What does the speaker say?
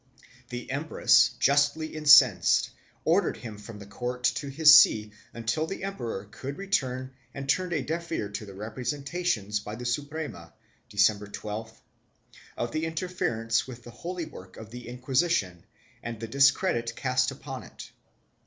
The empress, justly incensed, ordered him from the court to his see until the emperor should return and turned a deaf ear to the representations by the Suprema, Decem ber 12th, of the interference with the holy work of the Inquisition and the discredit cast upon it.